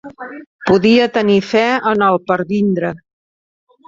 Podia tenir fe en el pervindre